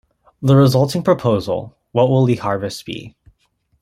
The resulting proposal - What Will the Harvest Be?